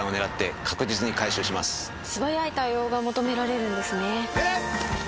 素早い対応が求められるんですね。